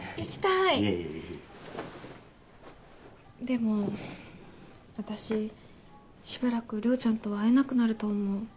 でも私しばらく涼ちゃんとは会えなくなると思う。